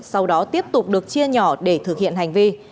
sau đó tiếp tục được chia nhỏ để thực hiện hành vi